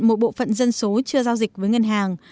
một bộ phận dân số chưa giao dịch với ngân hàng